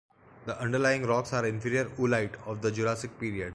The underlying rocks are Inferior Oolite of the Jurassic period.